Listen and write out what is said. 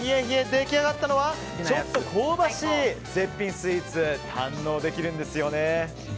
出来上がったのはちょっと香ばしい絶品スイーツを堪能できます。